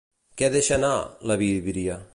Què deixa anar, la víbria?